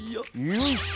よいしょ。